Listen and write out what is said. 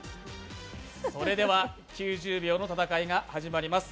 それでは９０秒の戦いが始まります。